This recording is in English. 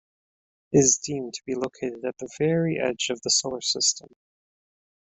It is deemed to be located at the very edge of the Solar System.